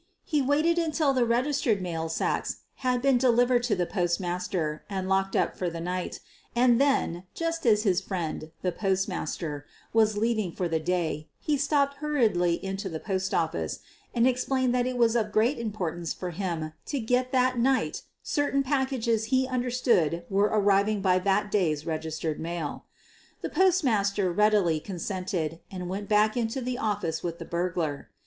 He waited until the reg istered mail sacks had been delivered to the Post master and locked up for the night, and then, just as his friend, the Postmaster, was leaving for the day, he stopped hurriedly into the post office and explained that it was of great importance for him to get that night certain packages he understood were arriving by that day's registered mail. The Postmaster readily consented and went back into the office with the burglar.